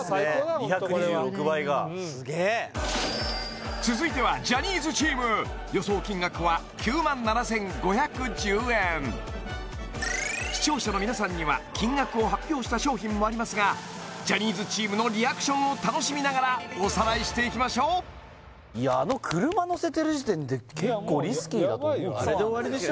２２６倍がすげえ続いてはジャニーズチーム予想金額は９７５１０円視聴者の皆さんには金額を発表した商品もありますがジャニーズチームのリアクションを楽しみながらおさらいしていきましょうあの車のせてる時点で結構リスキーだと思うけどあれで終わりでしょ？